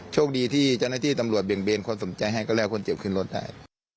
โชคดีที่เจ้าหน้าที่ตำรวจเบี่ยงเบนคนสนใจให้ก็แล้วคนเจ็บขึ้นรถได้